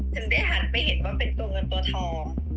ทำให้แม่หันไปเห็นว่าเป็นตัวง่นตัวทอง